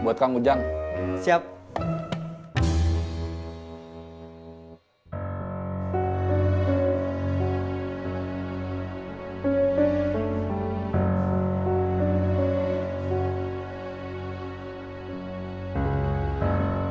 buat kang ujang juga bakal dateng